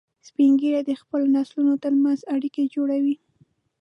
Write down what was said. سپین ږیری د خپلو نسلونو تر منځ اړیکې جوړوي